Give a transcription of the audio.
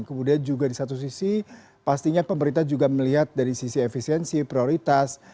kemudian juga di satu sisi pastinya pemerintah juga melihat dari sisi efisiensi prioritas